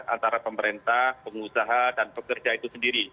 antara pemerintah pengusaha dan pekerja itu sendiri